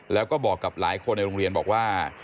แล้วก็บอกกับหลายคนในโรงเรียนบอกว่า